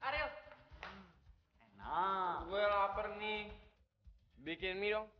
arius enak gue laper nih bikin mirong